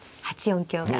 ８四香が。